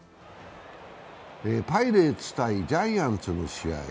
パイレーツ×ジャイアンツの試合。